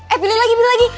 eh pilih lagi pilih lagi